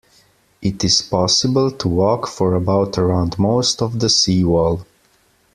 It is possible to walk for about around most of the sea wall.